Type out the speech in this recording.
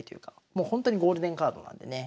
もうほんとにゴールデンカードなんでね。